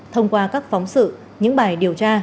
thông qua các phóng sự những bài điều tra